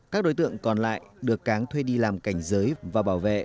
các đối tượng còn lại được cán thuê đi làm cảnh giới và bảo vệ